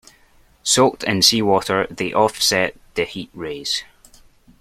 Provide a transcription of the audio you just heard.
Soaked in seawater they offset the heat rays.